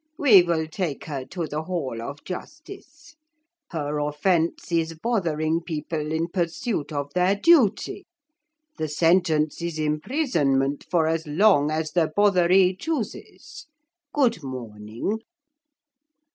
We will take her to the hall of justice. Her offence is bothering people in pursuit of their duty. The sentence is imprisonment for as long as the botheree chooses. Good morning.'